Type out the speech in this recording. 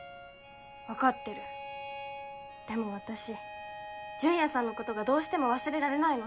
分かってるでも私純也さんのことがどうしても忘れられないの！